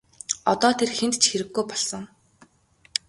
Одоо тэр хэнд ч хэрэггүй болсон.